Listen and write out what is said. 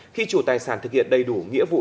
khi chủ tài sản thực hiện đầy đủ nghĩa vụ